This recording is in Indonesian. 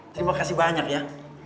terima kasih banyak ya